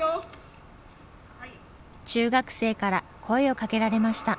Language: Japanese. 中学生から声をかけられました。